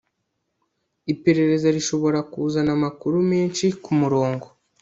iperereza rishobora kuzana amakuru menshi kumurongo